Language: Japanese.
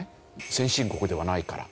先進国ではないから。